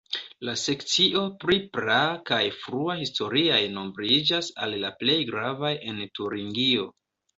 La sekcio pri praa kaj frua historiaj nombriĝas al la plej gravaj en Turingio.